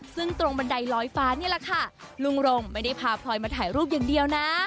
ซึ่งตรงบันไดลอยฟ้านี่แหละค่ะลุงรงไม่ได้พาพลอยมาถ่ายรูปอย่างเดียวนะ